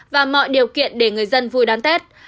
và mọi điều kiện để người dân vui đón tết